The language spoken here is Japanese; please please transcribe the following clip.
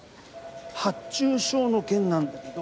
発注書の件なんだけど。